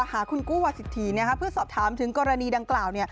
หาคุณกู้วาสิทธีเพื่อสอบถามถึงกรณีดังกล่าว